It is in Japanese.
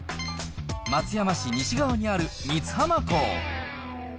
松山市西側にある三津浜港。